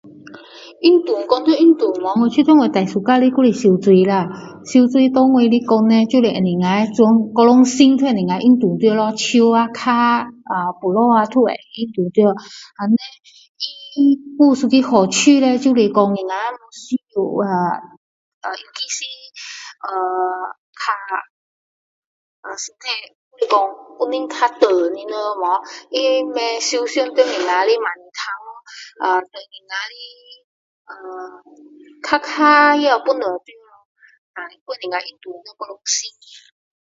运动，运动的话，我觉得我最喜欢的还是游泳啦，对我来讲就是能够全身运动到咯，手啊，脚啊，肚子啊都能运动到，还有一个好处呢就是说郎家啊【noclear】身体较重的人，不会伤到我们的膝盖头，脚脚也有帮助到【noclear】